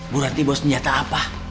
buranti bawa senjata apa